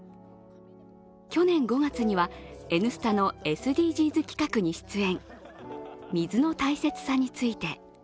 去年５月には「Ｎスタ」の「ＳＤＧｓ企画」に出演。